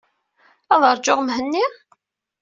Ad ṛjuɣ Mhenni?